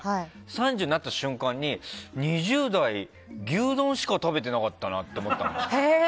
３０になった瞬間に２０代、牛丼しか食べてなかったなって思ったの。